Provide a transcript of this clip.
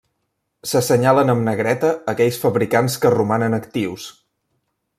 S'assenyalen amb negreta aquells fabricants que romanen actius.